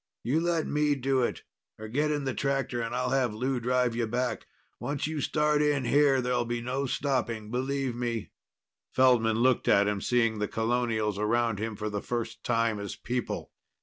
You let me do it, or get in the tractor and I'll have Lou drive you back. Once you start in here, there'll be no stopping. Believe me." Feldman looked at him, seeing the colonials around him for the first time as people.